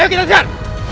ayo kita kejar